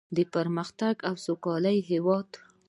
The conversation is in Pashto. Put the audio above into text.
د پرمختګ او سوکالۍ هیواد.